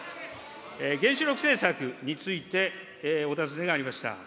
原子力政策についてお尋ねがありました。